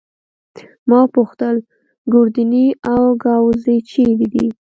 ما وپوښتل: ګوردیني او ګاووزي چيري دي؟